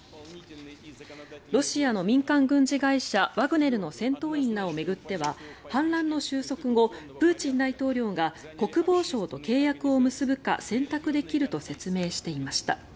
ロシアの民間軍事会社ワグネルの戦闘員らを巡っては反乱の収束後プーチン大統領が国防省と契約を結ぶか選択できると説明していました。